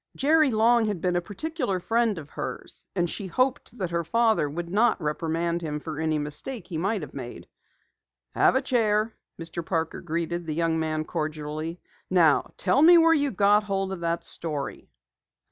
Jerry long had been a particular friend of hers and she hoped that her father would not reprimand him for any mistake he might have made. "Have a chair," Mr. Parker greeted the young man cordially. "Now tell me where you got hold of that story."